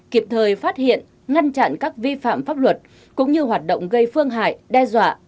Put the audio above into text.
kịp thời phát hiện ngăn chặn các vi phạm pháp luật cũng như hoạt động gây phương hại đe dọa